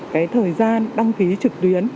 cái thời gian đăng ký trực tuyến